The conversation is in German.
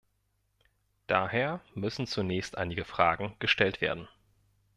Daher müssen zunächst einige Fragen gestellt werden.